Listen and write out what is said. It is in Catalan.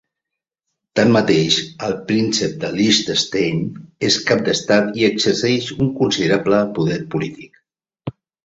Tanmateix, el Príncep de Liechtenstein és cap d'estat i exerceix un considerable poder polític.